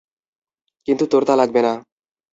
কিন্তু তোর তা লাগবে না।